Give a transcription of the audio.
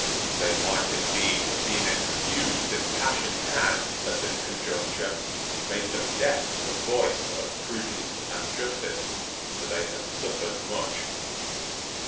They might indeed have been excused if passion had, at this conjuncture, made them deaf to the voice of prudence and justice: for they had suffered much.